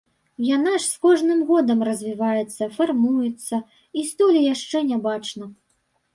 Яна з кожным годам развіваецца, фармуецца, і столі яшчэ не бачна.